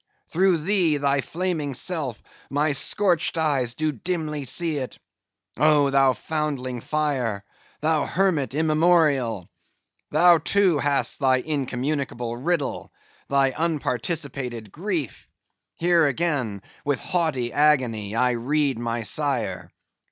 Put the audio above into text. Through thee, thy flaming self, my scorched eyes do dimly see it. Oh, thou foundling fire, thou hermit immemorial, thou too hast thy incommunicable riddle, thy unparticipated grief. Here again with haughty agony, I read my sire.